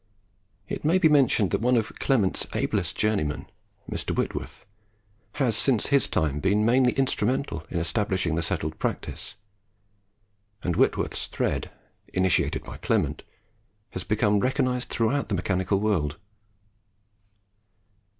It may be mentioned that one of Clement's ablest journeymen, Mr. Whitworth, has, since his time, been mainly instrumental in establishing the settled practice; and Whitworth's thread (initiated by Clement) has become recognised throughout the mechanical world.